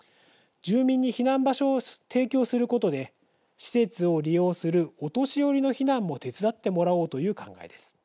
住民に避難場所を提供することで施設を利用するお年寄りの避難も手伝ってもらおうという考えです。